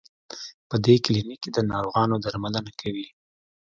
په دې کلینک کې د ناروغانو درملنه کوي.